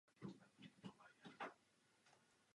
Česká republika se nachází na rozcestí.